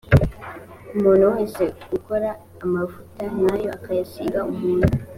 umuntu wese ukora amavuta nk’ayo akayasiga umuntu